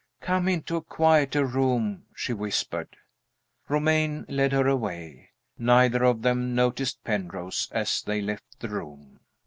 "Come into a quieter room," she whispered. Romayne led her away. Neither of them noticed Penrose as they left the room.